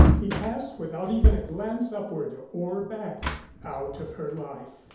He passed without even a glance upward or back out of her life.